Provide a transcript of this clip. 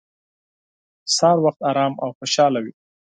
سهار وخت ارام او خوشحاله وي.